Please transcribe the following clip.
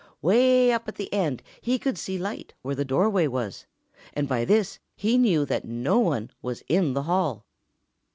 Way up at the end he could see light where the doorway was, and by this he knew that no one was in the hall.